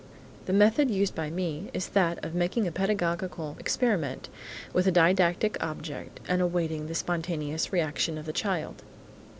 The method used by me is that of making a pedagogical experiment with a didactic object and awaiting the spontaneous reaction of the child.